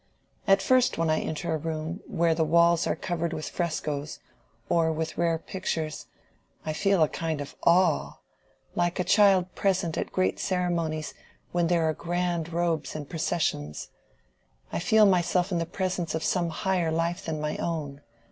At first when I enter a room where the walls are covered with frescos, or with rare pictures, I feel a kind of awe—like a child present at great ceremonies where there are grand robes and processions; I feel myself in the presence of some higher life than my own.